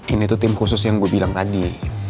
ini tuh tim khusus yang gue bilang tadi